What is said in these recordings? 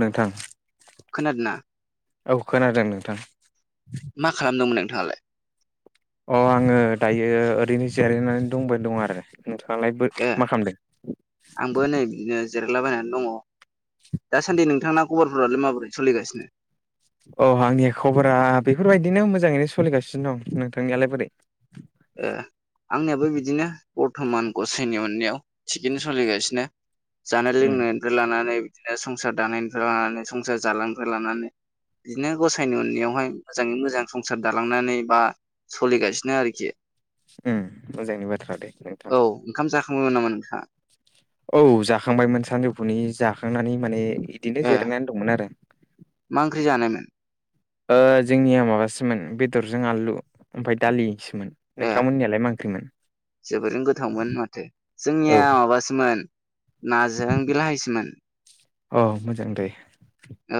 नोंथां खोनादोंना औ खोनादों नोंथां। मा खालामदोंमोन नोंथाङालाय? अ आङो दायो ओरैनो जिरायनानै दंबाय दं आरो नोंथाङालाय बो ए मा खामदों? आंबो नै बिदिनो जिरायलाबायनानै दङ। दासान्दि नोंथांना खबरफोरालाय माबोरै सोलिगासिनो? औ आंनि खबरा बेफोरबायदिनो मोजाङैनो सोलिगासिनो दं। नोंथांनियालाय बोरै? ओ आंनियाबो बिदिनो बरथमान गसाइनि अननायाव थिगैनो सोलिगासिनो। जानो उम लोंनो फ्राय लानानै बिदिनो संसार दानायनिफ्राय लानानै संसार जालांनिफ्राय लानानै बिदिनो गसायनि अननायावहाय मोजाङै मोजां संसार दालांनानै बा सलिगासिनो आरोखि। उम मोजांनि बाथ्रा दे। औ ओंखाम जाखांबायमोन नामा नोंथाङा? औ जाखांबायमोन सानजौफुनि जाखांनानै माने दिनो ए जिरायनानै दंमोन आरो। मा ओंख्रि जानायमोन ओ जोंनिया माबासोमोन बेदरजों आलु ओमफ्राय दालिसोमोन। ए नोंथांमोननियालाय मा ओंख्रिमोन जोबोरैनो गोथावमोन माथो औ जोंनिया माबासोमोन नाजों बिलाहिसोमोन। अ मोजां दे। औ।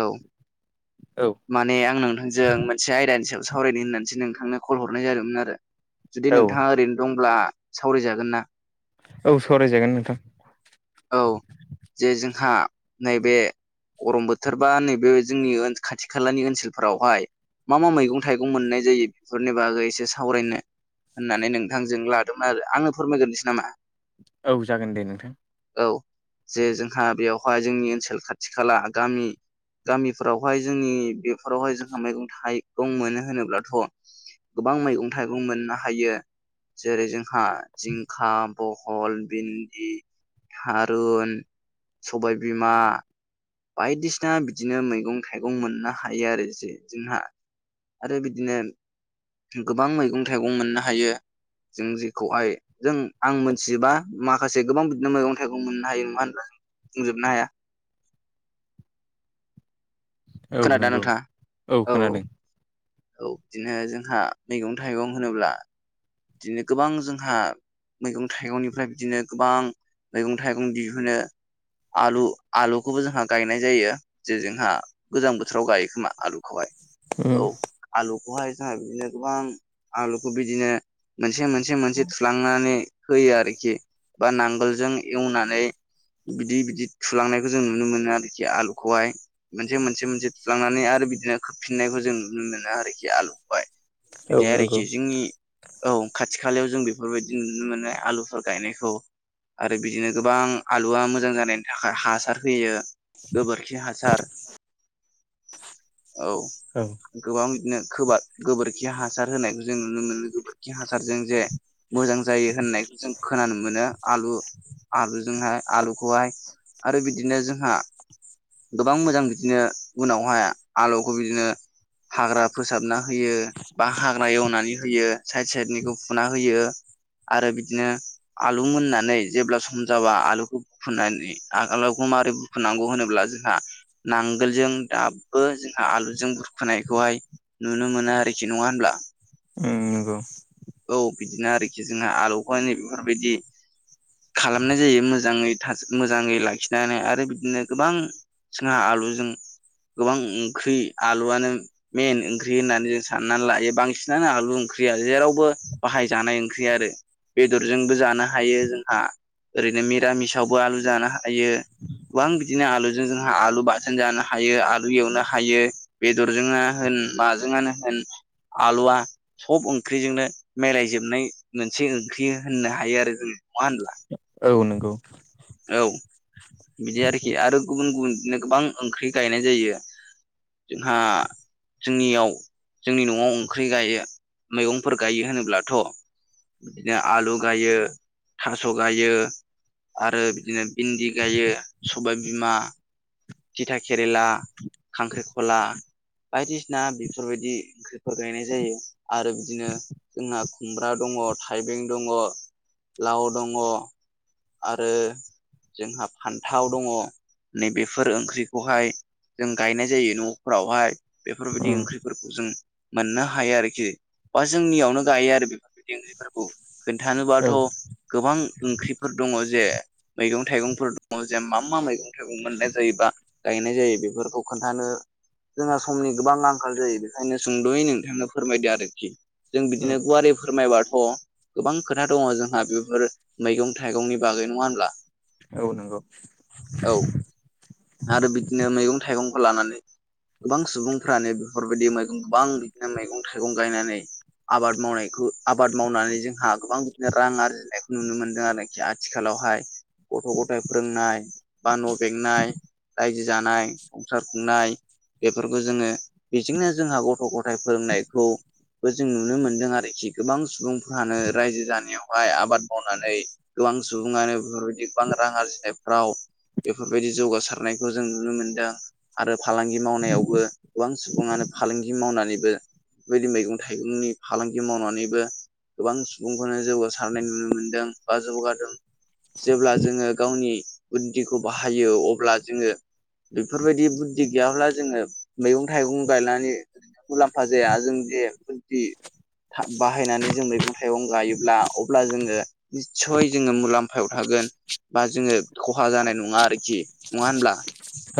औ माने आं नोंथांजों मोनसे आयदानि सायाव सावरायनो होननानैसो नोंथांनो कल हरनाय जादोंमोन आरो। जुदि औ नोंथाङा ओरैनो दंब्ला सावरायजागोन ना? औ सावरायजागोन नोंथां। औ जे जोंहा नैबे गरम बोथोरबा नैबे जोंनि खाथि खालानि ओनसोलफोरावहाय। मा मा मैगं थाइगं मोननाय जायो बेफोरनि बागै इसे सावरायनो होननानै नोंथांजों लादोंमोन आरो आंनो फोरमायगोरनोसै नामा? औ जागोन दे नोंथां। औ जे जोंहा बेवहाय जोंनि ओनसोल खाथि खाला गामि गामिफोरावहाय जोंनि बेफोरावहाय जोंहा मैगं थाइगं मोनो होनोब्लाथ' गोबां मैगं थाइगं मोननो हायो। जेरै जोंहा जिंखा, बहल, बिन्दि थारुन, सबाय बिमा, बायदिसिना बिदिनो मैगं थाइगं मोननो हायो आरो ज जोंहा। आरो बिदिनो गोबां मैगं थाइगं मोननो हायो। जों जेखौहाय जों आं मोनथिजोबा माखासे गोबां बिदिनो मैगं थाइगं मोननो हायो नङा होनब्ला जों बुंजोबनो हाया। औ खोनादोंना नंगौ नोंथाङा औ औ। औ बिदिनो जोंहा मैगं थाइगं होनोब्ला बिदिनो गोबां जोंहा मैगं थाइगंनिफ्राय बिदिनो गोबां मैगं थाइगं दिहुनो। आलु आलुखौबो जोंहा गायनाय जायो। जे जोंहा गोजां बोथोराव गायो खोमा आलुखौहाय। उम औ आलुखौहाय जोंहा बिदिनो गोबां आलुखौ बिदिनो मोनसे मोनसे मोनसे थुलांनानै होयो आरोखि ‌। बा नांगोलजों एवनानै बिदि बिदि थुलांनायखौ जों नुनो मोनो आरोखि आलुखौहाय मोनसे मोनसे मोनसे थुलांनानै आरो बिदिनो खोबफिननायखौ जों नुनो मोनो आरोखि आलुखौहाय। औ बिदि नंगौ आरोखि जोंनि औ खाथि खालायाव जों बेफोरबायदि नुनो मोनो आलुफोर गायनायखौ ‌। आरो बिदिनो गोबां आलुआ मोजां जानायनि थाखाय हासार होयो। गोबोरखि हासार औ। औ गोबां बिदिनो गोबोरखि हासार होनायखौ जों नुनो मोनो गोबोरखि हासारजों जे मोजां जायो होननायखौ जों खोनानो मोनो आलु आलुजोंहाय आलुखौहाय आरो बिदिनो जोंहा गोबां मोजां बिदिनो उनावहाय आलुखौ बिदिनो हाग्रा फोसाबना होयो बा हाग्रा एवनानै होयो साइड साइडनिखौ फुना होयो आरो बिदिनो आलु मोननानै जेब्ला सम जाबा आलुखौ फुननानै आगोलावखौ मारै फुनांगौ होनोब्ला जोंहा नांगोलजों दाबो जोंहा आलुजों बुरखोनायखौहाय नुनो मोनो आरोखि नङा होनब्ला उम नंगौ। औ बिदिनो आरोखि जोंहा आलुखौै बेफोरबायदि खालामनाय जायो मोजाङै मोजाङै लाखिनानै आरो बिदिनो गोबां जोंहा आलुजों। गोबां ओंख्रि आलुआनो। मेइन ओंख्रि होननानै जों साननानै लायो बांसिनानो आलु ओंख्रिया जेरावबो। बाहायजानाय ओंख्रि आरो बेदरजोंबो जानो हायो जोंहा ओरैनो मिरामिसावबो आलु जानो ह हायो गोबां बिदिनो आलुजों जोंहा आलु बाथोन जानो हायो आलु एवनो हायो। बेदरजोंनो होन माजोंआनो होन आलुआ सब ओंख्रिजोंनो मिलायजोबनाय मोनसे ओंख्रि होननो हायो आरो जों नङा होनब्ला? औ नंगौ। औ बिदि आरोखि आरो गुबुन गुबुन बिदिनो गोबां ओंख्रि गायनाय जायो। जों जोंनियाव जोंनि न'आव ओंख्रि गायो मैगंफोर गायो होनोब्लाथ' बिदिनो आलु गायो थास' गायो। आरो बिदिनो भिन्दि गायो सबाय बिमा। थिथा केरेला खांख्रिखला बायदिसिना बेफोरबायदि ओंख्रिफोर गायनाय जायो आरो बिदिनो जोंहा खुमब्रा दङ थाइबें दङ लाव दङ। आरो जोंहा फान्थाव दङ। नै बेफोर ओंख्रिखौहाय जों गायनाय जायो न'फोरावहाय बेफोरबायदि उम ओंख्रि फोरखौ जों मोननो हायो आरोखि बा जोंनियावनो गायो आरो बेफोरबायदि ओंग्रिफोरखौ'- औ खोन्थानोबाथ' उम गोबां ओंख्रिफोर दङ जे मैगं थाइगंफोर दङ जेन मा मा मैगं थाइगं मोननाय जायोबा गायनाय जायो बेफोरखौ खोन्थानो जोंहा समनि गोबां आंखाल जायो बेखायनो सुंद'यै नोंथांनो फोरमायदो आरोखि जों बिदिनो गुवारै फोरमायबाथ' गोबां खोथा दङ जोंहा बेफोर मैगं थाइगंनि बागै नङा होनब्ला औ नंगौ औ आरो बिदिनो मैगं थाइगंखौ लानानै गोबां सुबुंफ्रानो बेफोरबायदि मैगं गोबां बिदिनो मैगं थाइगं गायनानै आबाद मावनायखौ आबाद मावनानै जोंहा गोबां बिदिनो रां आरजिनायखौ नुनो मोनदों आरोखि आथिखालावहाय गथ' गथाय फोरोंनाय बा न' बेंनाय रायजो जानाय संसार खुंनाय बेफोरखौ जोङो बेजोंनो जोंहा गथ' गथाय फोरोंनायखौ ब जों नुनो मोन्दों आरोखि गोबां सुबुंफ्रानो रायजो जानायावहाय आबाद मावनानै गोबां सुबुङानो बेफोरबायदि गोबां रां आरजिनायफ्राव बेफोरबायदि जौगासारनायखौ जों नुनो मोनदों। आरो फालांगि मावनायावबो गोबां सुबुङानो फालांगि मावनानैबो बेबायदि मैगं थाइगंनि फालांगि मावनानैबो गोबां सुबुंखौनो जौगासारनाय नुनो मोनदों बा जौगादों जेब्ला जोङो गावनि बुद्दिखौ बाहायो अब्ला जोङो बेफोरबायदि बुद्दि गैयाब्ला जोङो मैगं थाइगं गायनानै मुलाम्फा जाया जों जे बुद्दि था बाहायनानै जों मैगं थाइगं गायोब्ला अब्ला जोङो निस्सय जोङो मुलाम्फायाव थागोन बा जोङो खहा जानाय नङा आरोखि नङा होनब्ला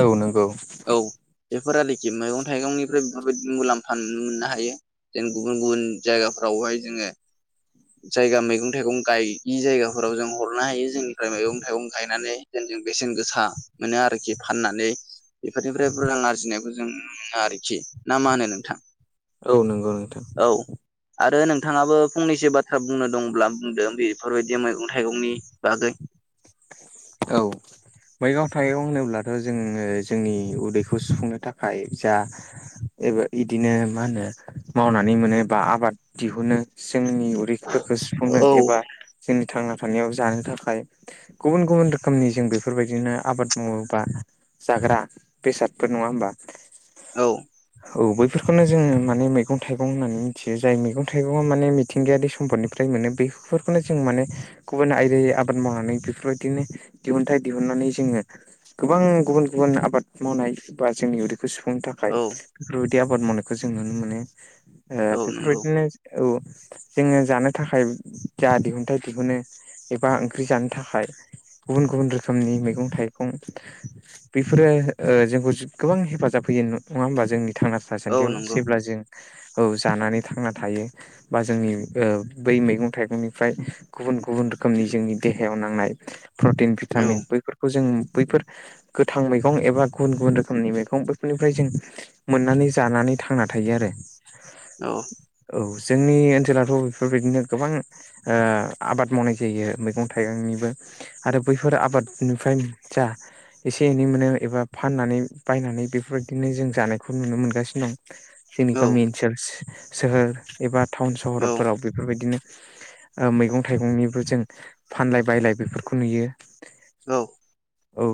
औ नोंगौ औ बेफोर आरोखि मैगं थाइगंनिफ्राय बेफोरबायदि मुलाम्फा मोननो हायो जों गुबुन गुबुन जायगाफ्रावहाय जोङो जायगा मैगं थाइगं गायि जायगाफोराव जों हरनो हायो जोंनिफ्राय मैगं थाइगं गायनानै जेन जों बेसेन गोसा मोनो आरोखि फाननानै बेफोरनिफ्राय बुरजा रां आरजिनायखौ जों नुनो मोनो आरोखि ना मा होनो नोंथां? औ नोंगौ नोंथां औ आरो नोंथाङाबो फंनैसो बाथ्रा बुंनो दंब्ला बुंदो बेफोरबायदि मैगं थाइगंनि बागै औ मैगं थाइगं होनोब्लाथ' जोङो जोंनि उदैखौ सुफुंनो थाखाय जा एबा इदिनो मा होनो मावनानै मोनो बा आबाद दिहुनो जोंनि उ दैफोरखौ सुफुंनो औ एबा जोंनि थांना थानायाव जानो थाखाय गुबुन गुबुन रोखोमनि जों बेफोरबायदिनो आबाद मावो बा जाग्रा बेसादफोर नङा होमबा औ औ बै फोरखौनो जोङो माने मैगं थाइगं होननानै मिनथियो जाय मैगं थाइगङा माने मिथिंगायारि सम्पदनिफ्राय मोनो बै फोरखौनो जों माने गुबुन आदायै आबा द मावनानै बेफोरबायदिनो दिहुनथाय दिहुननानै जोङो गोबां गुबुन गुबुन आबाद मावनाय बा जोंनि उदैखौ सुफुंनो थाखाय औ थाखाय बेफोरबायदि आबाद मावनायखौ जों नुनो मोनो ओ औ नंगौ बेफोरबायदिनो औ जोङो जानो थाखाय जा दिहुनथाय दिहुनो एबा ओंख्रि जानो थाखाय गुबुन गुबुन रोखोमनि मैगं थाइगं बेफोरो ओ जोंखौ गोबां हेफाजाब होयो नङा होमबा जोंनि थांना औ थासान्दियाव नंगौ जेब्ला जों औ जानानै थांना थायो बा जोंनि ओ बै मैगं थाइगंनिफ्राय गुबुन गुबुन रोखोमनि जोंनि देहायाव नांनाय प्रटिन औ भिटामिन बैफोरखौ जों बैफोर गोथां मैगं एबा गुबुन गुबुन रोखोमनि मैगं बैफोरनिफ्राय जों मोननानै जानानै थांना थायो आरो। औ। औ जोंनि ओनसोलाथ' बेफोरबायदिनो गोबां ओ आबाद मावनाय जायो मैगं थाइगांनिबो आरो बैफोर आबादनिफ्राय जा एसे एनै मोनो एबा फाननानै बायनानै बेफोरबायदिनो जों जानायखौ नुनो मोनगासिनो दं। जोंनि औ गामि ओनसोल सोहोर एबा टाउन औ सहरफोराव बेफोरबायदिनो ओ मैगं थाइगंनिबो जों फानलाय बायलाय बेफोरखौ नुयो। औ। औ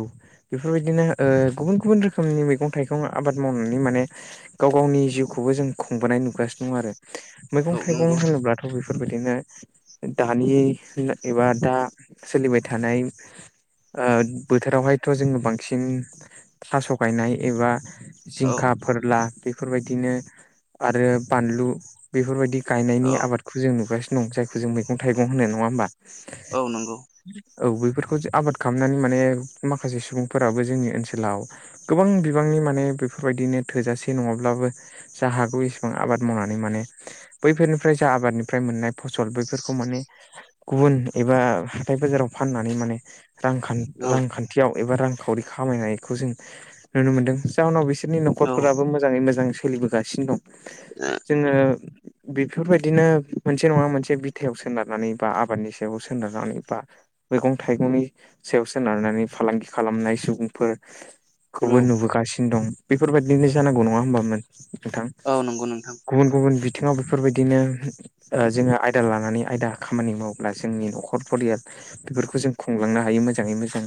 बेफोरबायदिनो ओ गुबुन गुबुन रोखोमनि मैगं थाइगं आबाद मावनानै माने गाव गावनि जिउखौबो जों खुंबोनाय नुगासिनो दं आरो मैगं औ थाइगं नंगौ होनोब्लाथ' बेफोरबायदिनो दानि एबा दा सोलिबाय थानाय ओ बोथोरावहायथ' जोङो बांसिन थास' गायनाय एबा औ जिंखा फोरला बेफोरबायदिनो आरो बानलु बैफोरबायदि गायनायनि औ आबादखौ जों नुगासिनो दं जायखौ जों मैगं थाइगं होनो नङा होमबा औ नंगौ औ बेैफोरखौ जे आबाद खामनानै माने माखासे सुबुंफोराबो जोंनि ओनसोलाव गोबां बिबांनि माने बेफोरबायदिनो थोजासे नङाब्लाबो जा हागौ इसेबां आबाद मावनानै माने बैफोरनिफ्राय जा आबादनिफ्राय मोननाय फसल बेैफोरखौ माने गुबुन एबा हाथाय बाजाराव फाननानै माने रां खान औ रांखान्थियाव एबा रांखावरि खामायनायखौ जों नुनो मोनदों। जाउनाव बिसोरनि औ न'खरफोराबो मोजाङै मोजां सोलिबोगासिनो दं। जोङो बेफोरबायदिनो मोनसे नङा मोनसे बिथायाव सोनारनानै बा आबादनि सायाव सोनारनानै बा मैगं थाइगंनि सायाव सोनारनानै फालांगि खालामनाय सुबुंफोर औ खौबो नुबोगासिनो दं। बेफोरबायदिनो जानांगौ नङा होमबामोन नोंथां? औ नंगौ नोंथां। गुबुन गुबुन बिथिङाव बेफोरबायदिनो ओ जोङो आयदा लानानै आयदा खामानि मावब्ला जोंनि न'खर फरियाल बेफोरखौ जों खुंलांनो हायो मोजाङै मोजां।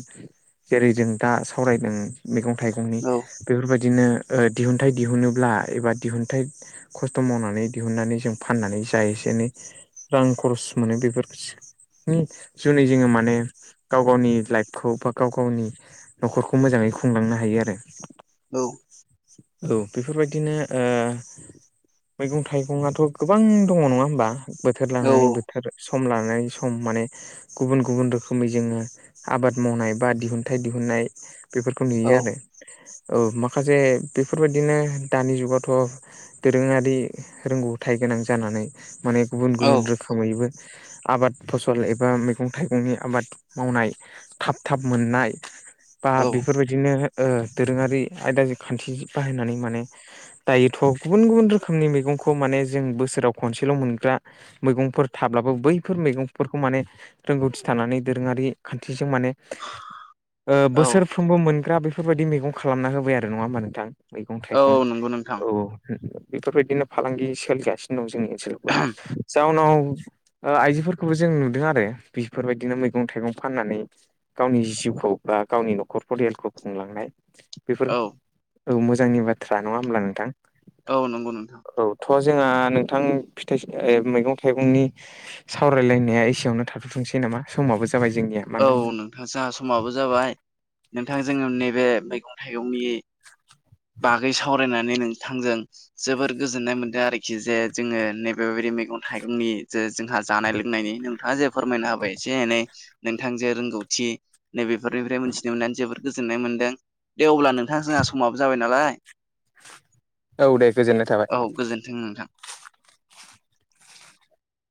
जेरै जों दा सावरायदों मैगं थाइगंनि औ बेफोरबायदिनो ओ दिहुनथाइ दिहुनोब्ला एबा दिहुनथाइ खस्ट' मावनानै दिहुननानै जों फाननानै जा एसे एनै रां खरस मोनो बेफोरस नि जुनै जोङो माने गाव गावनि लाइफखौ बा गाव गावनि न'खरखौ मोजाङै खुंलांनो हायो आरो। औ। औ बेफोरबायदिनो ओ मैगं थाइगंआथ' गोबां दङ' नङा होमबा? बोथोर औ लानानै बोथ सम लानानै सम माने गुबुन गुबुन रोखोमै जोङो आबाद मावनाय बा दिहुनथाइ दिहुननाय बेफोरखौ नुयो आरो औ माखासे बेफोरबायदिनो दानि जुगावथ' दोरोङारि रोंगौथाय गोनां जानानै माने गुबुन औ गुबुन रोखोमैबो आबाद फसल एबा मैगं-थाइगंनि आबाद मावनाय थाब थाब मोननाय बा औ बेफोरबायदिनो ओ दोरोङारि आयदाजों खान्थि बाहायनानै माने दायोथ' गुबुन गुबुन रोखोमनि मैगंखौ माने जों बोसोराव खनसेल' मोनग्रा मैगं फोर थाब्लाबो बैफोर मैगंफोरखौ माने रोंगौथि थानानै दोरोङारि खान्थिजों माने ओ औ बोसोरफ्रोमबो मोनग्रा बेफोरबायदि मैगं खालामना होबाय आरो नङा होमबा नोंथां? औ मैगं-थाइगं नंगौ नोंथां औ बेफोरबायदिनो फालांगि सोलिगासिनो दं जोंनि [unintelligible] जाउनाव ओ आइजोफोरखौबो जों नुदों आरो बेफोरबायदिनो मैगं-थाइगं फाननानै गावनि जिउखौ बा गावनि न'खर फरियालखौ खुंलांनाय बेफोर औ औ मोजांनि बाथ्रा नङा होमब्ला नोंथां? औ नंगौ नोंथां। औथ' जोंहा नोंथां फिथाइ सा ओ मैगं थाइगंनि सावरायलायनाया एसेयावनो थाथ'थोंसै नामा समाबो जाबाय जोंनिया। औ मानो होनबा नोंथां जाहा समाबो जाबाय। नोंथां जोङो नैबे मैगं थाइगंनि बागै सावरायनानै नोंथांजों जोबोर गोजोननाय मोन्दों आरो खि जे जोङो नैबेबायदि मैगं थाइगंनि जे जोंहा जानाय लोंनायनि नोंथाङा जेब फोरमायना होबाय एसे एनै नोंथां जे रोंगौथि नैबेफोरनिफ्राय मोनथिनो मोननानै जोबोर गोजोननाय मोनदों। दे अब्ला नोंथां जोंहा समाबो जाबाय नालाय औ दे गोजोननाय औ थाबाय। गोजोन्थों नोंथां